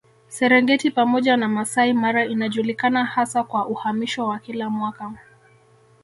Serengeti pamoja na Masai Mara inajulikana hasa kwa uhamisho wa kila mwaka